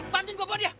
bantuin gue bawa dia